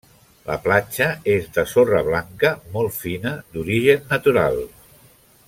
La platja és de sorra blanca molt fina d'origen natural.